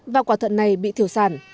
và quả thận này bị thiểu sản